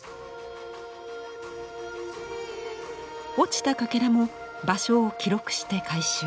落ちたカケラも場所を記録して回収。